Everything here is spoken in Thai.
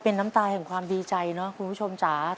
เป็นน้ำตาแห่งความดีใจเนอะคุณผู้ชมจ๋า